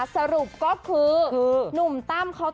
สรุปก็คือหนุ่มตั้มเขา